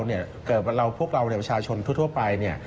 กองทุนรวมก็คือการที่เราพวกเราประชาชนทั่วไป